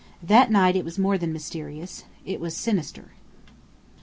That night it was more than mysterious. It was sinister.